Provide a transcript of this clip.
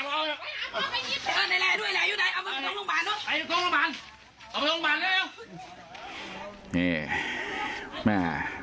มาดูคนละกัน